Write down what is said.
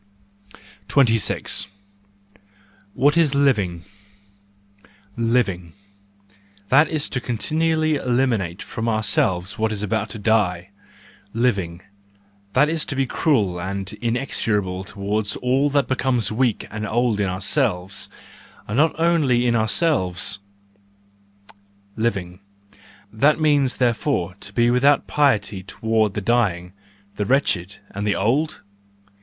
What is Living ?—Living—that is to continually eliminate from ourselves what is about to die; Living—that is to be cruel and inexorable towards all that becomes weak and old in ourselves, and not only in ourselves. Living—that means, there¬ fore, to be without piety toward the dying, the wretched and the old